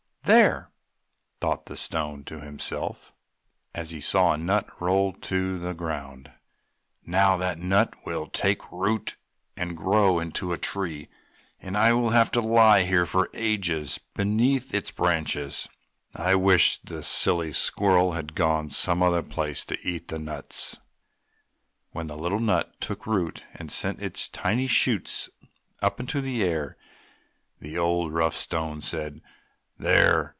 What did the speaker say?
"There!" thought the stone to himself as he saw a nut roll to the ground, "now that nut will take root and grow into a tree and I will have to lie here for ages beneath its branches. I wish the silly squirrel had gone some other place to eat the nuts!" When the little nut took root and sent its tiny shoots up in the air, the old, rough Stone said, "There!